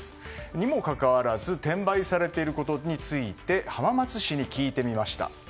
にもかかわらず転売されていることについて浜松市に聞いてみました。